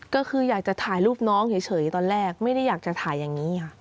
ก็คืออยากจะถ่ายรูปน้องเฉยตอนแรกไม่ได้อยากจะถ่ายอย่างนี้ค่ะ